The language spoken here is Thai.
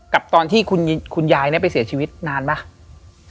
กับตอนที่คุณยายไปเสียชีวิตนานไหม